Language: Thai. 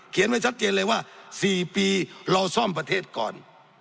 ไว้ชัดเจนเลยว่า๔ปีเราซ่อมประเทศก่อน